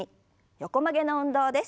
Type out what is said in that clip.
横曲げの運動です。